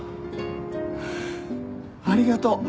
ありがとう。